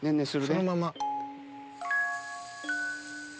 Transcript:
そのまま。